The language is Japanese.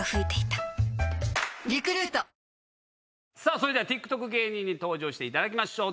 それではＴｉｋＴｏｋ芸人に登場していただきましょう！